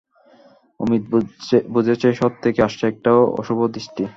অমিত বুঝেছে, শহর থেকে আসছে একটা অশুভ দৃষ্টি।